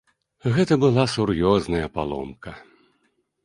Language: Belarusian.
Гэта была сур'ёзная паломка.